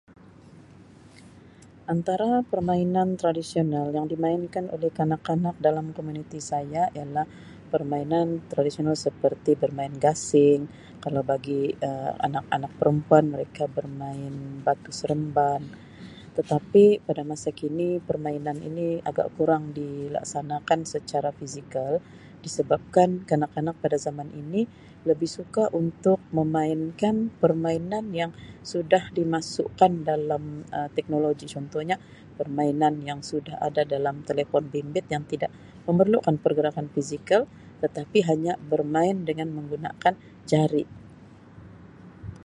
Antara permainan tradisional yang dimainkan oleh kanak-kanak dalam komuniti saya ialah permainan tradisional seperti bermain gasing. Kalau bagi Um anak-anak perempuan mereka bermain batu seremban tetapi pada masa kini permainan ini agak kurang dilaksanakan secara fizikal disebabkan kanak-kanak pada zaman ini lebih suka untuk memainkan permainan yang sudah dimasukkan dalam Um teknologi. Contohnya permainan yang sudah ada dalam telefon bimbit yang tidak memerlukan pergerakan fizikal tetapi hanya bermain dengan menggunakan jari.